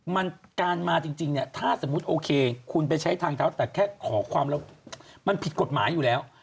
มันการมาจริงเนี่ยถ้าสมมุติโอเคคุณไปใช้ทางเท้าแต่แค่ขอความแล้วมันผิดกฎหมายอยู่แล้ว